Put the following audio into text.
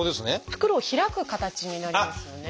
袋を開く形になりますよね。